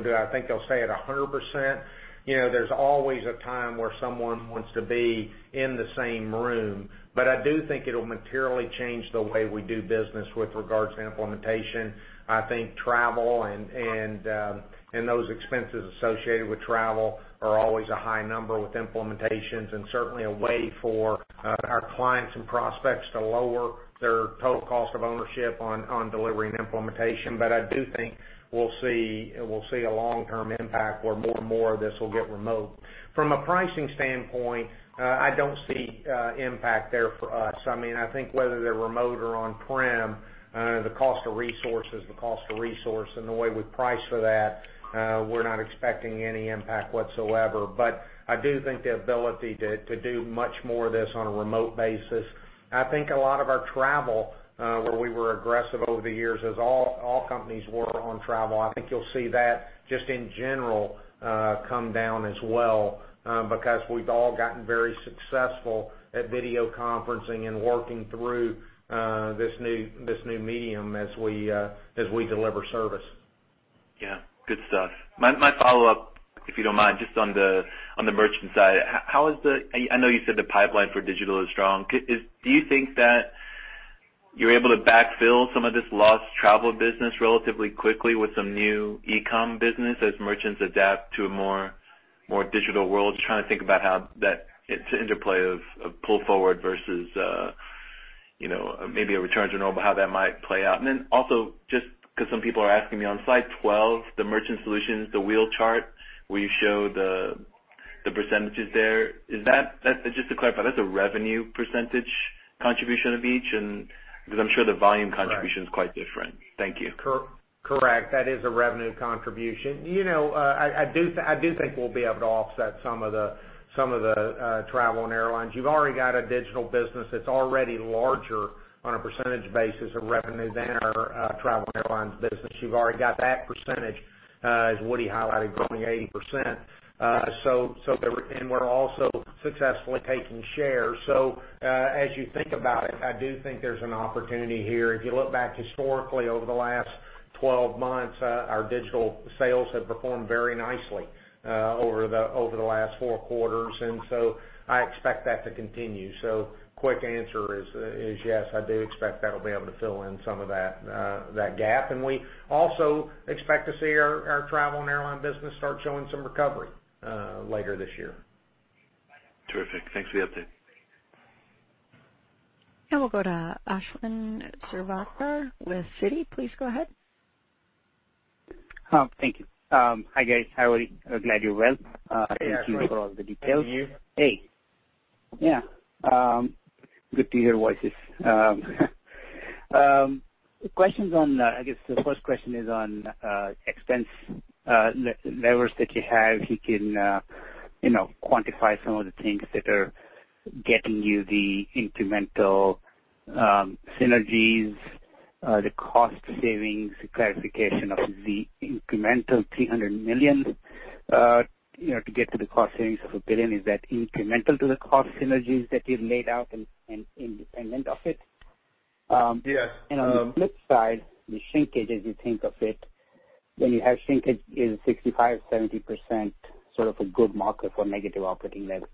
Do I think they'll stay at 100%? There's always a time where someone wants to be in the same room, but I do think it'll materially change the way we do business with regards to implementation. I think travel and those expenses associated with travel are always a high number with implementations and certainly a way for our clients and prospects to lower their total cost of ownership on delivery and implementation. I do think we'll see a long-term impact where more and more of this will get remote. From a pricing standpoint, I don't see impact there for us. I think whether they're remote or on-prem, the cost of resource, and the way we price for that, we're not expecting any impact whatsoever. I do think the ability to do much more of this on a remote basis. I think a lot of our travel, where we were aggressive over the years, as all companies were on travel, I think you'll see that just in general, come down as well. We've all gotten very successful at video conferencing and working through this new medium as we deliver service. Yeah. Good stuff. My follow-up, if you don't mind, just on the merchant side. I know you said the pipeline for digital is strong. Do you think that you're able to backfill some of this lost travel business relatively quickly with some new e-com business as merchants adapt to a more digital world? Just trying to think about how that interplay of pull forward versus, maybe a return to normal, how that might play out. Also, just because some people are asking me, on slide 12, the merchant solutions, the wheel chart, where you show the percentages there. Just to clarify, that's a revenue percentage contribution of each? Because I'm sure the volume contribution. Correct is quite different. Thank you. Correct. That is a revenue contribution. I do think we'll be able to offset some of the travel and airlines. You've already got a digital business that's already larger, on a percentage basis of revenue, than our travel and airlines business. You've already got that percentage, as Woody highlighted, growing 80%. We're also successfully taking shares. As you think about it, I do think there's an opportunity here. If you look back historically, over the last 12 months, our digital sales have performed very nicely over the last four quarters, and so I expect that to continue. Quick answer is yes, I do expect that'll be able to fill in some of that gap. We also expect to see our travel and airline business start showing some recovery later this year. Terrific. Thanks for the update. We'll go to Ashwin Shirvaikar with Citi. Please go ahead. Thank you. Hi, guys. How are you? Glad you're well. Hey, Ashwin. Thank you for all the details. And you. Hey. Yeah. Good to hear your voices. I guess the first question is on expense levers that you have. If you can quantify some of the things that are getting you the incremental synergies, the cost savings, the clarification of the incremental $300 million to get to the cost savings of $1 billion. Is that incremental to the cost synergies that you've laid out and independent of it? Yeah. On the flip side, the shrinkage, as you think of it, when you have shrinkage, is 65%, 70% sort of a good marker for negative operating leverage?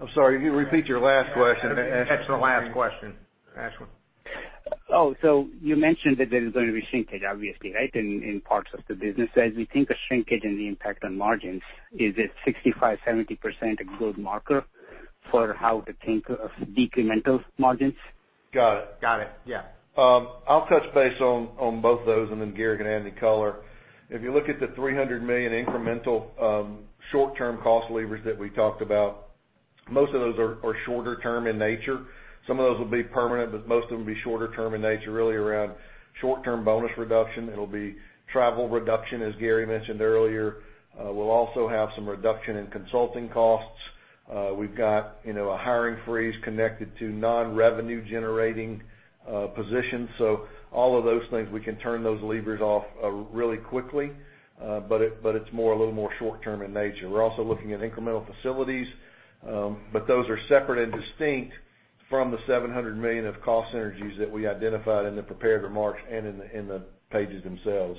I'm sorry, can you repeat your last question? That's the last question, Ashwin. You mentioned that there is going to be shrinkage, obviously, right, in parts of the business. As you think of shrinkage and the impact on margins, is it 65%-70% a good marker for how to think of decremental margins? Got it. Got it. Yeah. I'll touch base on both those, and then Gary can add any color. If you look at the $300 million incremental short-term cost levers that we talked about, most of those are shorter term in nature. Some of those will be permanent, but most of them will be shorter term in nature, really around short-term bonus reduction. It'll be travel reduction, as Gary mentioned earlier. We'll also have some reduction in consulting costs. We've got a hiring freeze connected to non-revenue generating positions. All of those things, we can turn those levers off really quickly. It's a little more short-term in nature. We're also looking at incremental facilities, but those are separate and distinct from the $700 million of cost synergies that we identified in the prepared remarks and in the pages themselves.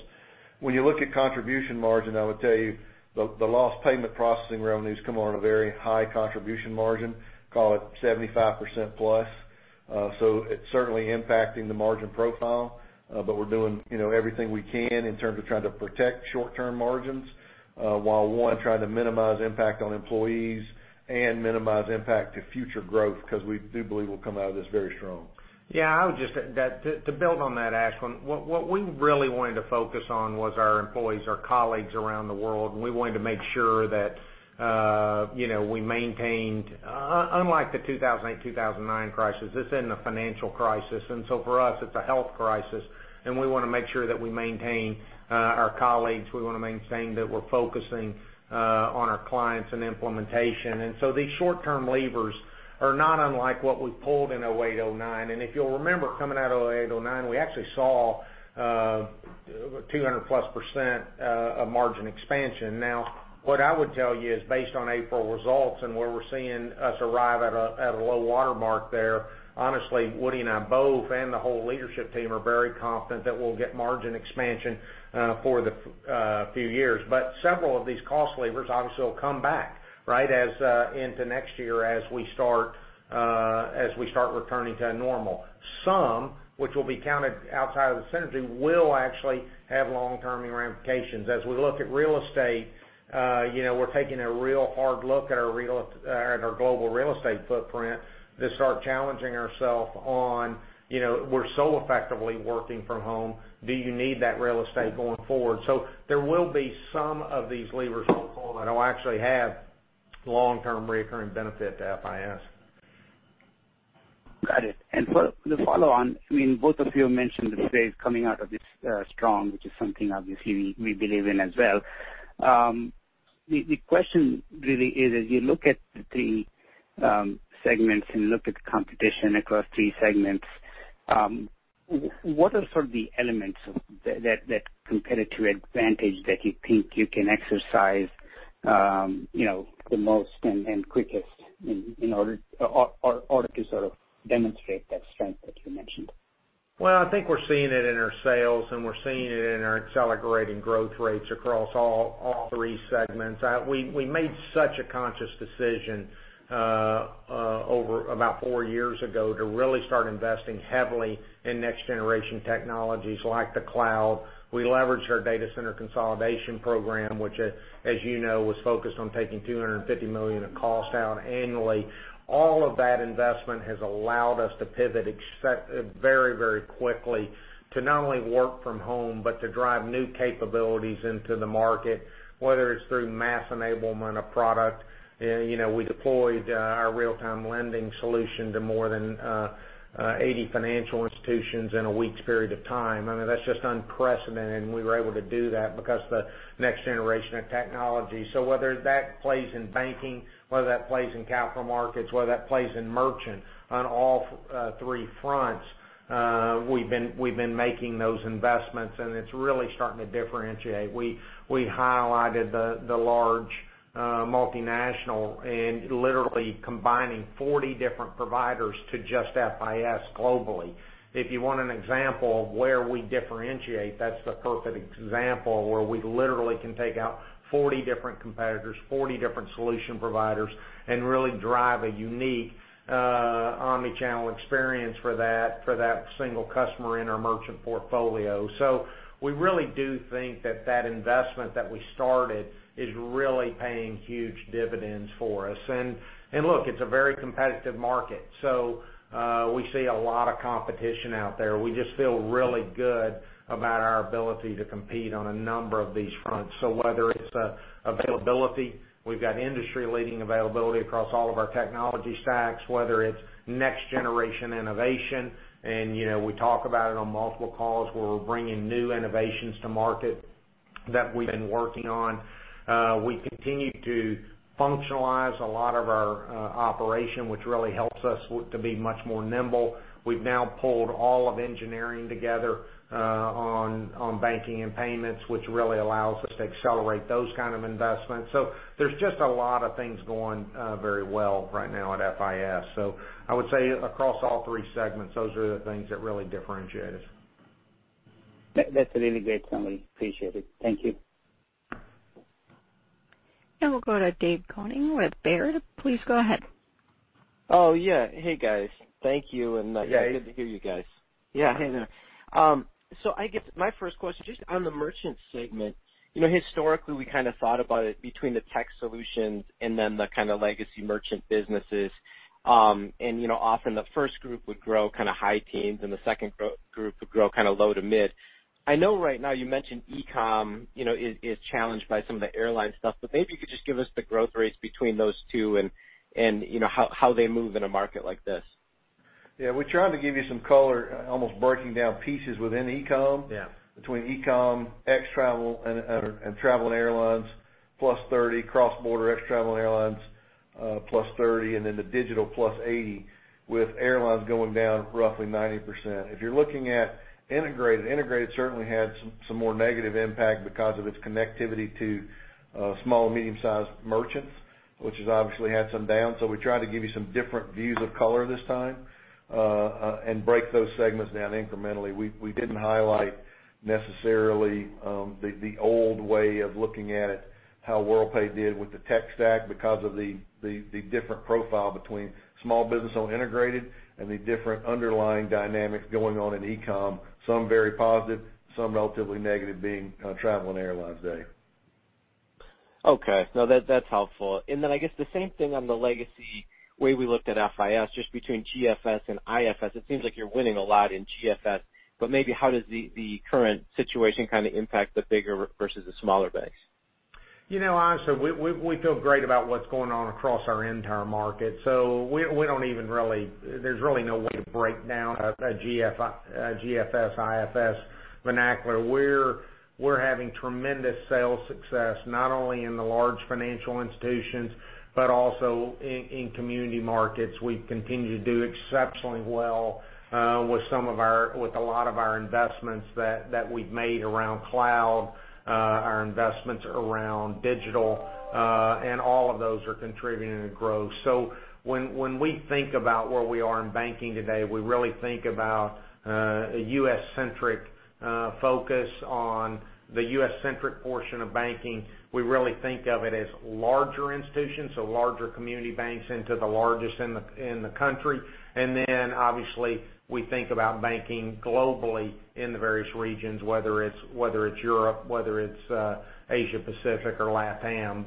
When you look at contribution margin, I would tell you, the lost payment processing revenues come on a very high contribution margin, call it 75% plus. It's certainly impacting the margin profile. We're doing everything we can in terms of trying to protect short-term margins, while trying to minimize impact on employees and minimize impact to future growth, because we do believe we'll come out of this very strong. Yeah. To build on that, Ashwin, what we really wanted to focus on was our employees, our colleagues around the world, and we wanted to make sure that we maintained unlike the 2008, 2009 crisis, this isn't a financial crisis. For us, it's a health crisis, and we want to make sure that we maintain our colleagues. We want to maintain that we're focusing on our clients and implementation. These short-term levers are not unlike what we pulled in 2008, 2009. If you'll remember, coming out of 2008, 2009, we actually saw 200-plus% of margin expansion. What I would tell you is based on April results and where we're seeing us arrive at a low water mark there, honestly, Woody and I both, and the whole leadership team, are very confident that we'll get margin expansion for the few years. Several of these cost levers, obviously, will come back into next year as we start returning to normal. Some, which will be counted outside of the synergy, will actually have long-term ramifications. As we look at real estate, we're taking a real hard look at our global real estate footprint to start challenging ourself on, we're so effectively working from home, do you need that real estate going forward? There will be some of these levers pulled that'll actually have long-term recurring benefit to FIS. Got it. The follow-on, both of you mentioned that FIS coming out of this strong, which is something obviously we believe in as well. The question really is as you look at the segments and look at the competition across three segments, what are sort of the elements that competitive advantage that you think you can exercise the most and quickest in order to sort of demonstrate that strength that you mentioned? Well, I think we're seeing it in our sales, and we're seeing it in our accelerating growth rates across all three segments. We made such a conscious decision about four years ago, to really start investing heavily in next-generation technologies like the cloud. We leveraged our data center consolidation program, which, as you know, was focused on taking $250 million of cost out annually. All of that investment has allowed us to pivot very quickly, to not only work from home but to drive new capabilities into the market, whether it's through mass enablement of product. We deployed our real-time lending solution to more than 80 financial institutions in a week's period of time. I mean, that's just unprecedented, and we were able to do that because of the next generation of technology. Whether that plays in banking, whether that plays in capital markets, whether that plays in merchant, on all three fronts, we've been making those investments, and it's really starting to differentiate. We highlighted the large multinational and literally combining 40 different providers to just FIS globally. If you want an example of where we differentiate, that's the perfect example where we literally can take out 40 different competitors, 40 different solution providers, and really drive a unique omni-channel experience for that single customer in our merchant portfolio. We really do think that that investment that we started is really paying huge dividends for us. Look, it's a very competitive market, so we see a lot of competition out there. We just feel really good about our ability to compete on a number of these fronts. Whether it's the availability, we've got industry-leading availability across all of our technology stacks, whether it's next-generation innovation, and we talk about it on multiple calls, where we're bringing new innovations to market that we've been working on. We continue to functionalize a lot of our operation, which really helps us to be much more nimble. We've now pulled all of engineering together on banking and payments, which really allows us to accelerate those kind of investments. There's just a lot of things going very well right now at FIS. I would say across all three segments, those are the things that really differentiate us. That's a really great summary. Appreciate it. Thank you. We'll go to Dave Koning with Baird. Please go ahead. Oh, yeah. Hey, guys. Thank you, and good to hear you guys. Yeah. Hey there. I guess my first question, just on the merchant segment. Historically, we kind of thought about it between the tech solutions and then the kind of legacy merchant businesses. Often the first group would grow kind of high teens, and the second group would grow kind of low to mid. I know right now you mentioned e-com is challenged by some of the airline stuff, maybe you could just give us the growth rates between those two and how they move in a market like this. Yeah. We tried to give you some color, almost breaking down pieces within e-com. Yeah. Between e-com, ex travel and travel and airlines, +30%, cross-border ex travel and airlines, +30%, and the digital +80%, with airlines going down roughly 90%. If you're looking at integrated certainly had some more negative impact because of its connectivity to small, medium-sized merchants, which has obviously had some downs. We tried to give you some different views of color this time, and break those segments down incrementally. We didn't highlight necessarily the old way of looking at it, how Worldpay did with the tech stack because of the different profile between small business on integrated and the different underlying dynamics going on in e-com. Some very positive, some relatively negative being travel and airlines, Dave. Okay. No, that's helpful. I guess the same thing on the legacy, way we looked at FIS, just between GFS and IFS. It seems like you're winning a lot in GFS, but maybe how does the current situation kind of impact the bigger versus the smaller banks? Honestly, we feel great about what's going on across our entire market. There's really no way to break down a GFS, IFS vernacular. We're having tremendous sales success, not only in the large financial institutions, but also in community markets. We've continued to do exceptionally well with a lot of our investments that we've made around cloud, our investments around digital, and all of those are contributing to growth. When we think about where we are in banking today, we really think about a U.S.-centric focus on the U.S.-centric portion of banking. We really think of it as larger institutions, so larger community banks into the largest in the country. Obviously, we think about banking globally in the various regions, whether it's Europe, whether it's Asia-Pacific or LATAM.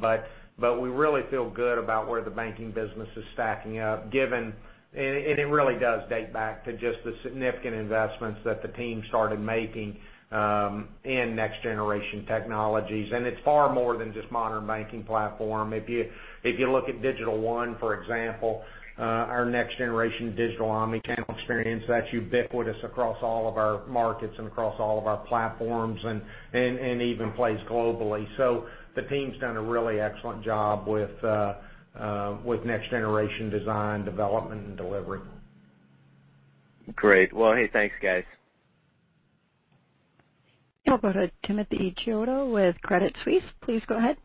We really feel good about where the banking business is stacking up, and it really does date back to just the significant investments that the team started making in next-generation technologies. It's far more than just Modern Banking Platform. If you look at Digital One, for example, our next-generation digital omni-channel experience, that's ubiquitous across all of our markets and across all of our platforms, and even plays globally. The team's done a really excellent job with next-generation design, development, and delivery. Great. Hey, thanks, guys. We'll go to Timothy Chiodo with Credit Suisse. Please go ahead.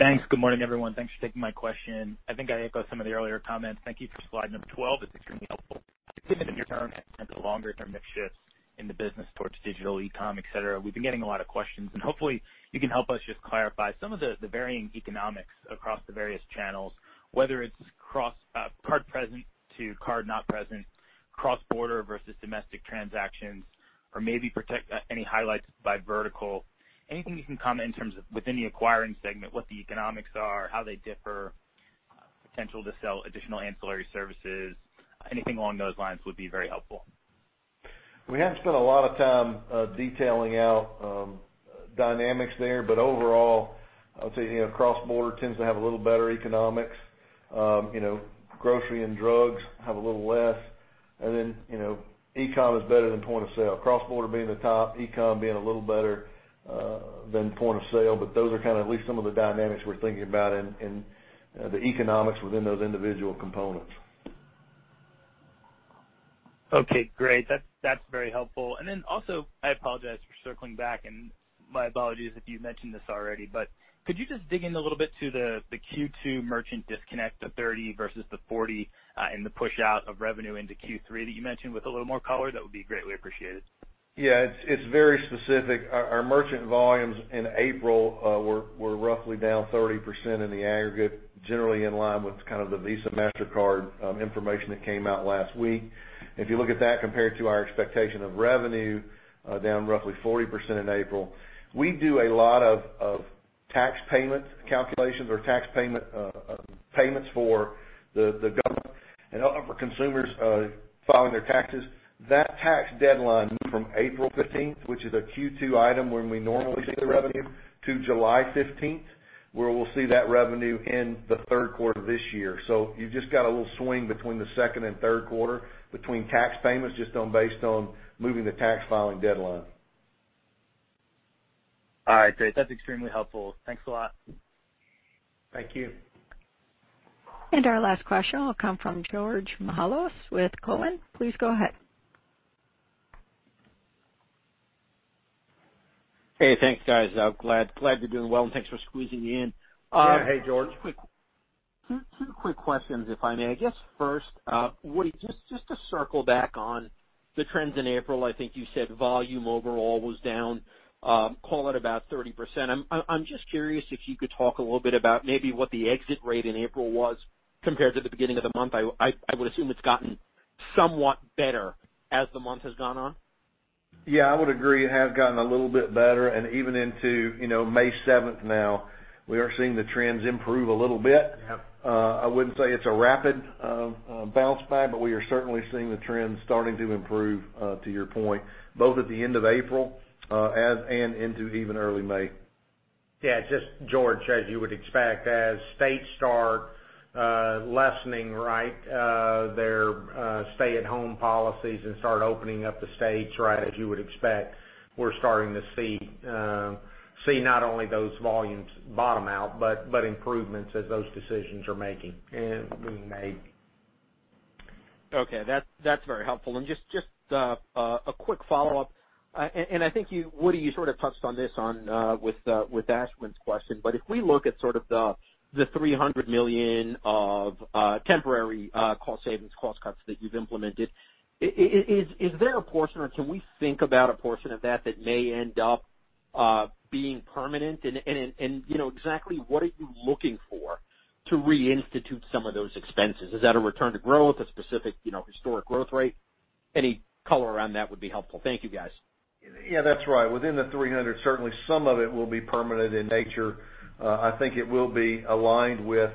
Thanks. Good morning, everyone. Thanks for taking my question. I think I echoed some of the earlier comments. Thank you for slide number 12, it's extremely helpful. Given your current and the longer-term mix shift in the business towards digital, e-com, et cetera, we've been getting a lot of questions, and hopefully you can help us just clarify some of the varying economics across the various channels, whether it's card present to card not present, cross-border versus domestic transactions, or maybe any highlights by vertical. Anything you can comment in terms of within the acquiring segment, what the economics are, how they differ, potential to sell additional ancillary services. Anything along those lines would be very helpful. We haven't spent a lot of time detailing out dynamics there, but overall, I would say, cross-border tends to have a little better economics. Grocery and drugs have a little less. E-com is better than point-of-sale. Cross-border being the top, e-com being a little better than point-of-sale. Those are kind of at least some of the dynamics we're thinking about in the economics within those individual components. Okay, great. That's very helpful. Also, I apologize for circling back and my apologies if you mentioned this already, could you just dig in a little bit to the Q2 merchant disconnect, the 30 versus the 40, and the push out of revenue into Q3 that you mentioned with a little more color? That would be greatly appreciated. Yeah. It's very specific. Our merchant volumes in April were roughly down 30% in the aggregate, generally in line with kind of the Visa, Mastercard information that came out last week. If you look at that compared to our expectation of revenue, down roughly 40% in April. We do a lot of tax payment calculations or tax payments for the government and for consumers filing their taxes. That tax deadline moved from April 15th, which is a Q2 item when we normally see the revenue, to July 15th, where we'll see that revenue in the third quarter of this year. You've just got a little swing between the second and third quarter between tax payments just based on moving the tax filing deadline. All right. That's extremely helpful. Thanks a lot. Thank you. Our last question will come from George Mihalos with Cowen. Please go ahead. Hey, thanks guys. Glad you're doing well, and thanks for squeezing me in. Yeah. Hey, George. Two quick questions, if I may. I guess first, Woody, just to circle back on the trends in April. I think you said volume overall was down, call it about 30%. I'm just curious if you could talk a little bit about maybe what the exit rate in April was compared to the beginning of the month. I would assume it's gotten somewhat better as the month has gone on. Yeah, I would agree, it has gotten a little bit better, and even into May 7th now, we are seeing the trends improve a little bit. Yeah. I wouldn't say it's a rapid bounce back, but we are certainly seeing the trends starting to improve, to your point, both at the end of April, and into even early May. Yeah, George, as you would expect, as states start lessening, right, their stay-at-home policies and start opening up the states, right, as you would expect, we're starting to see not only those volumes bottom out, but improvements as those decisions are being made. Okay. That's very helpful. Just a quick follow-up, and I think, Woody, you sort of touched on this with Ashwin's question, but if we look at sort of the $300 million of temporary cost savings, cost cuts that you've implemented, is there a portion or can we think about a portion of that that may end up being permanent? Exactly what are you looking for to reinstitute some of those expenses? Is that a return to growth, a specific historic growth rate? Any color around that would be helpful. Thank you, guys. Yeah, that's right. Within the $300, certainly some of it will be permanent in nature. I think it will be aligned with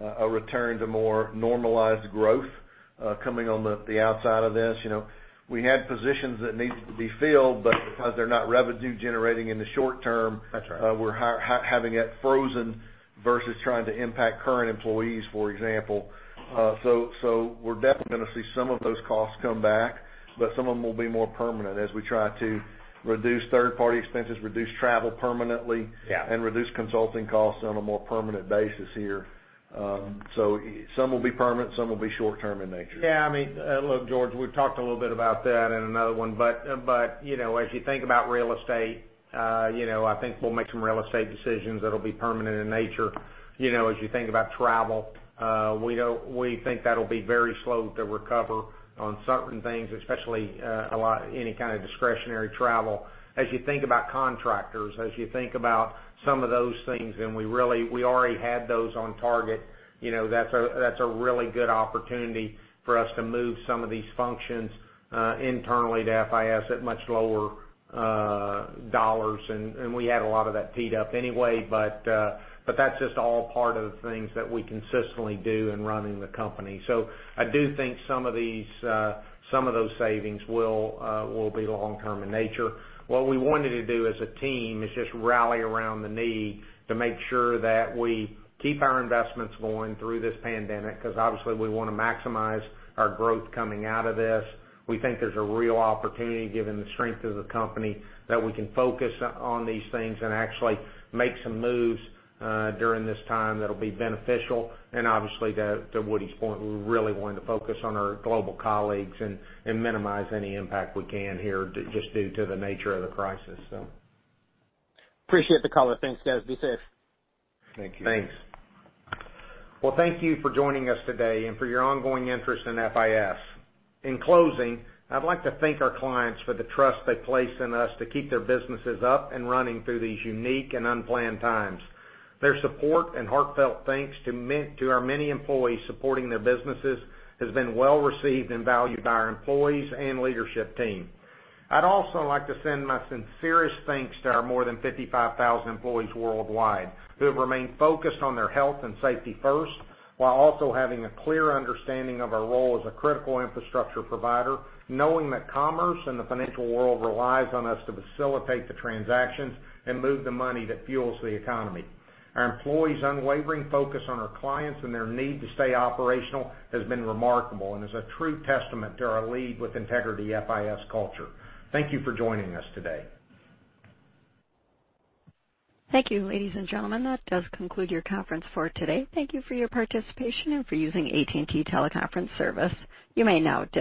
a return to more normalized growth, coming on the outside of this. We had positions that needed to be filled, but because they're not revenue generating in the short term. That's right. we're having it frozen versus trying to impact current employees, for example. We're definitely going to see some of those costs come back, but some of them will be more permanent as we try to reduce third-party expenses, reduce travel permanently. Yeah Reduce consulting costs on a more permanent basis here. Some will be permanent, some will be short-term in nature. Yeah, look, George, we've talked a little bit about that in another one, as you think about real estate, I think we'll make some real estate decisions that'll be permanent in nature. As you think about travel, we think that'll be very slow to recover on certain things, especially any kind of discretionary travel. As you think about contractors, as you think about some of those things, we already had those on target, that's a really good opportunity for us to move some of these functions internally to FIS at much lower dollars, we had a lot of that teed up anyway. That's just all part of the things that we consistently do in running the company. I do think some of those savings will be long-term in nature. What we wanted to do as a team is just rally around the need to make sure that we keep our investments going through this pandemic, because obviously we want to maximize our growth coming out of this. We think there's a real opportunity, given the strength of the company, that we can focus on these things and actually make some moves during this time that'll be beneficial. Obviously, to Woody's point, we're really wanting to focus on our global colleagues and minimize any impact we can here just due to the nature of the crisis. Appreciate the color. Thanks, guys. Be safe. Thank you. Thanks. Well, thank you for joining us today and for your ongoing interest in FIS. In closing, I'd like to thank our clients for the trust they place in us to keep their businesses up and running through these unique and unplanned times. Their support and heartfelt thanks to our many employees supporting their businesses has been well received and valued by our employees and leadership team. I'd also like to send my sincerest thanks to our more than 55,000 employees worldwide, who have remained focused on their health and safety first, while also having a clear understanding of our role as a critical infrastructure provider, knowing that commerce and the financial world relies on us to facilitate the transactions and move the money that fuels the economy. Our employees' unwavering focus on our clients and their need to stay operational has been remarkable and is a true testament to our Lead With Integrity FIS culture. Thank you for joining us today. Thank you, ladies and gentlemen. That does conclude your conference for today. Thank you for your participation and for using AT&T Teleconference service. You may now disconnect.